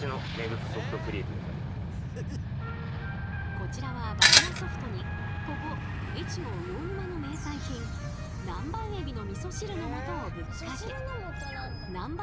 こちらはバニラソフトにここ越後魚沼の名産品南蛮えびのみそ汁の素をぶっかけ南蛮